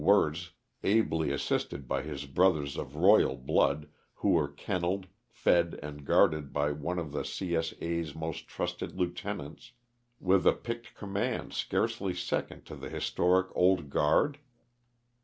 Wirz, ably assisted by his brothers of royal blood, who were kenneled, fed and guarded by one of the 0. S. A.'s most trusted lieutenants, with a picked command, scarcely second to the historic Old Guard?